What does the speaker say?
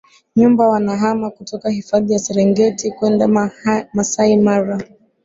nyumba wanahama kutoka hifadhi ya serengeti kwenda masai mara